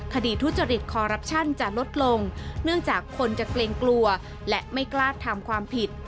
ทุจริตคอรัปชั่นจะลดลงเนื่องจากคนจะเกรงกลัวและไม่กล้าทำความผิด